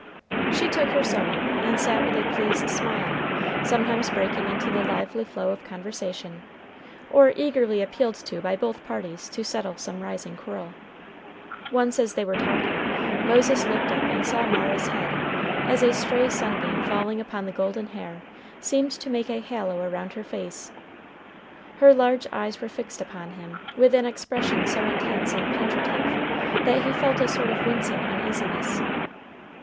She took her sewing and sat with a pleased smile, sometimes breaking into the lively flow of conversation, or eagerly appealed to by both parties to settle some rising quarrel. Once, as they were talking, Moses looked up and saw Mara's head, as a stray sunbeam falling upon the golden hair seemed to make a halo around her face. Her large eyes were fixed upon him with an expression so intense and penetrative, that he felt a sort of wincing uneasiness.